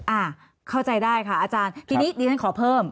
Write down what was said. อ่าเข้าใจได้ค่ะอาจารย์ทีนี้ดิฉันขอเพิ่ม